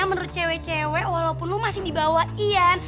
lu kan cewek cewek walaupun lu masih di bawah ian